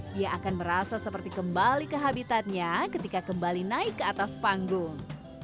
dia akan merasa seperti kembali ke habitatnya ketika kembali naik ke atas panggung